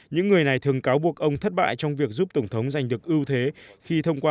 những người này thường cáo buộc ông thất bại trong việc giúp tổng thống giành được ưu thế khi thông qua